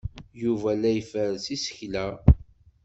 Yuba la iferres isekla.